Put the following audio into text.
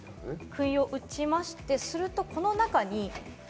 くいを打ちまして、この中に。